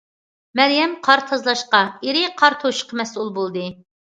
مەريەم قار تازىلاشقا، ئېرى قار توشۇشقا مەسئۇل بولدى.